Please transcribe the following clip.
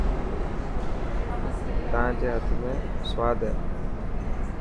تان جي هٿ ۾ سواد هي.